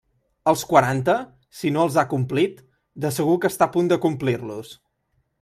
Els quaranta, si no els ha complit, de segur que està a punt de complir-los.